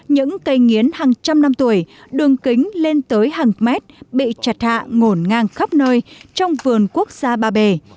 những cây nghiến hàng trăm năm tuổi đường kính lên tới hàng mét bị chặt hạ ngổn ngang khắp nơi trong vườn quốc gia ba bể